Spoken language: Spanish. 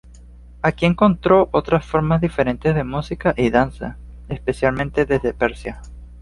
Aquí encontró otras formas diferentes de música y danza, especialmente desde Persia.